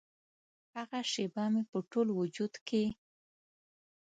هغه شیبه مې په ټول وجود کې